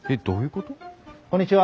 こんにちは。